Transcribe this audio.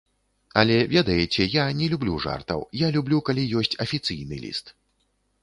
Але, ведаеце, я не люблю жартаў, я люблю калі ёсць афіцыйны ліст.